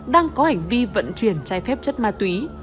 đang có hành vi vận chuyển trái phép chất ma túy